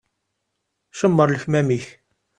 Cemmer lekmam-ik.